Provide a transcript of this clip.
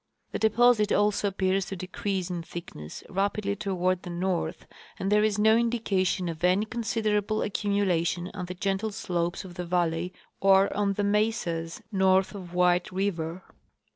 The de posit also appears to decrease in thickness raj)idly toward the north, and there is no indication of any considerable accumu lation on the gentle slopes of the valley or on the mesas north of White river.